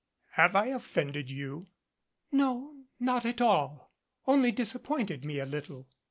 "Have I offended you?" "No. Not at all only disappointed me a little.